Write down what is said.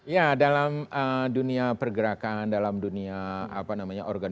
ya dalam dunia pergerakan dalam dunia organisasi